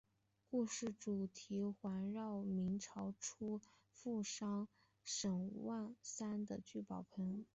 故事主题环绕明朝初年富商沈万三的聚宝盆。